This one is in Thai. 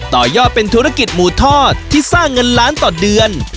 ต่อยอดเป็นธุรกิจหมูทอดที่สร้างเงินล้านต่อเดือน